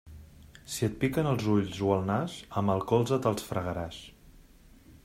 Si et piquen els ulls o el nas, amb el colze te'ls fregaràs.